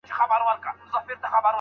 د غیرت او د ناموس خبره ولاړه